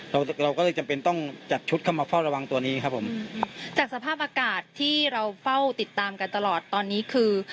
เราเราก็เลยจำเป็นต้องจัดชุดเข้ามาเฝ้าระวังตัวนี้ครับผมจากสภาพอากาศที่เราเฝ้าติดตามกันตลอดตอนนี้คือ